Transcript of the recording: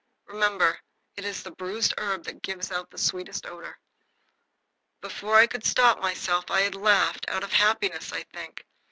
Remember, it is the bruised herb that gives out the sweetest odor." Before I could stop myself I had laughed, out of happiness, I think.